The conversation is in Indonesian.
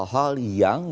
tapi kembali ke yang tadi